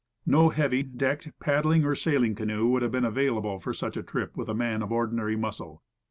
No heavy, decked, pad dling or sailing canoe would have been available for such a trip with a man of ordinary muscle.